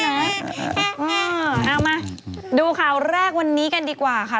เอามาดูข่าวแรกวันนี้กันดีกว่าค่ะ